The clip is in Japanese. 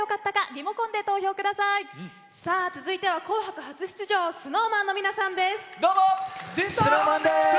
続いては紅白初出場ＳｎｏｗＭａｎの皆さんです。